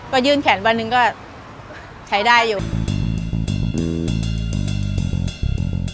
ก็ยื่นแขนวันหนึ่งก็ใช้ได้อยู่